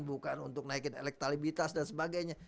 bukan untuk naikin elektabilitas dan sebagainya